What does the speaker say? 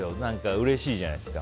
うれしいじゃないですか。